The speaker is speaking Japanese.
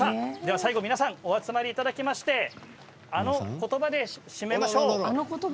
最後お集まりいただきましてあのことばで締めましょう。